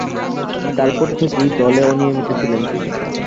তারপর থেকেই দলে অনিয়মিত ছিলেন তিনি।